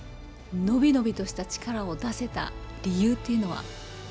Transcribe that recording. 伸び伸びとした力を出せた理由というのは。